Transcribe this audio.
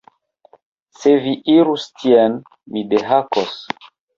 Se vi irus tien, mi dehakos